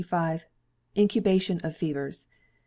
Incubation of Fevers.